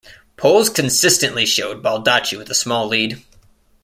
Polls consistently showed Baldacci with a small lead.